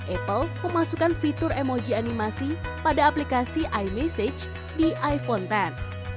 apple memasukkan fitur emoji animasi pada aplikasi ay message di iphone x